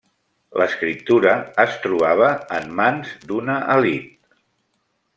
L'escriptura es trobava en mans d'una elit.